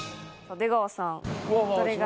出川さんどれが。